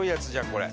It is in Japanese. これ。